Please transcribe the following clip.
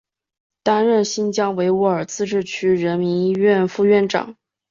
担任新疆维吾尔自治区人民医院副院长。